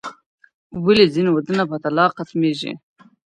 ولې ځینې ودونه په طلاق ختميږي؟